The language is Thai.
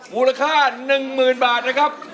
บูรค่า๑หมื่นบาทนะครับ